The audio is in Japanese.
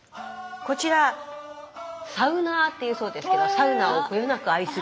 こちら「サウナー」っていうそうですけどサウナをこよなく愛する人。